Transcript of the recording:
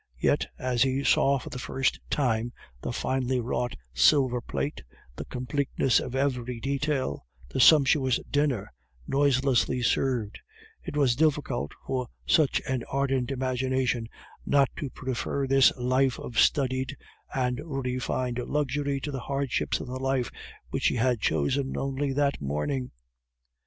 Yet as he saw for the first time the finely wrought silver plate, the completeness of every detail, the sumptuous dinner, noiselessly served, it was difficult for such an ardent imagination not to prefer this life of studied and refined luxury to the hardships of the life which he had chosen only that morning.